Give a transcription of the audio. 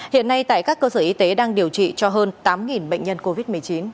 hiện nay tại các cơ sở y tế đang điều trị cho hơn tám bệnh nhân covid một mươi chín